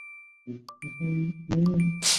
于帕尔拉克人口变化图示